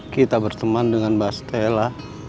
kita berteman dengan mbak stella